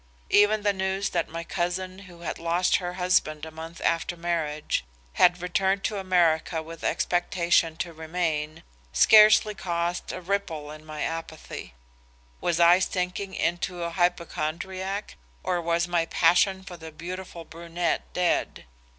Even the news that my cousin who had lost her husband a month after marriage, had returned to America with expectation to remain, scarcely caused a ripple in my apathy. Was I sinking into a hypochrondriac? or was my passion for the beautiful brunette dead?